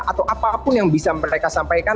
atau apapun yang bisa mereka sampaikan